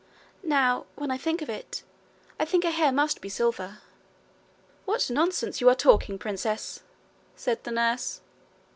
Now, when I think of it, I think her hair must be silver.' 'What nonsense you are talking, princess!' said the nurse.